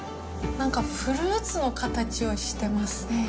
なんか、フルーツの形をしてますね。